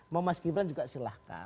mau mas gibran juga silahkan